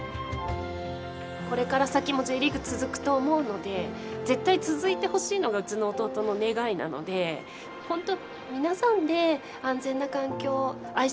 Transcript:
これから先もＪリーグ続くと思うので絶対続いてほしいのがうちの弟の願いなので本当